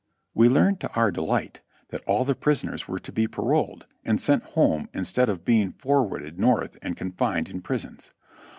" We learned to our delight that all the prisoners were to be paroled and sent home instead of being forwarded North and confined in prisons.